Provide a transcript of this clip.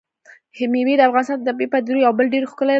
مېوې د افغانستان د طبیعي پدیدو یو بل ډېر ښکلی رنګ دی.